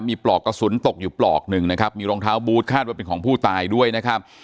มีปลอกกระสุนตกอยู่ปลอกหนึ่งนะครับมีรองเท้าบูธคาดว่าเป็นของผู้ตายด้วยนะครับ